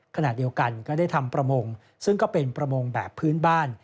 ขณะเดียวกันก็ได้ทำประมงซึ่งก็เป็นประมงแบบพื้นบ้าน